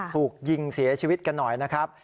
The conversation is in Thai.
ถูกยิงเสียชีวิตกันหน่อยนะครับ